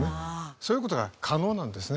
そういう事が可能なんですね。